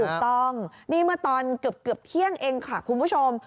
ถูกต้องนี่เมื่อตอนเกือบเที่ยงเองค่ะคุณผู้ชม